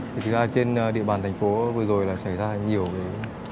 thì thực ra trên địa bàn thành phố vừa rồi là xảy ra nhiều cái